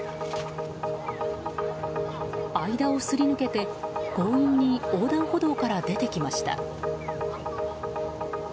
間をすり抜けて、強引に横断歩道から出てきました。